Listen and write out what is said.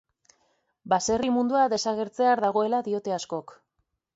Baserri mundua desagertzear dagoela diote askok.